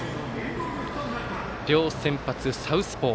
両先発サウスポー。